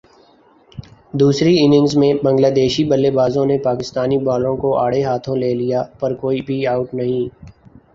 دوسری اننگز میں بنگلہ دیشی بلے بازوں نے پاکستانی بالروں کو اڑھے ہاتھوں لے لیا پر کوئی بھی اوٹ نہیں